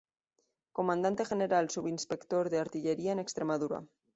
Comandante general subinspector de artillería en Extremadura.